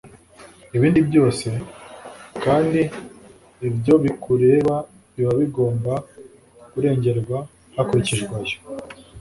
ibindi byose. kandi ibyo bikureba biba bigomba kurengerwa hakurikijwe ayo